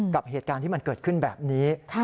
กับเหตุการณ์ที่มันเกิดขึ้นแบบนี้